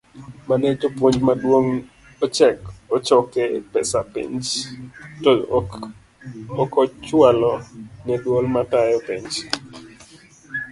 mane jopuonj madongo ochoke pesa penj to okochualo ne duol matayo penj.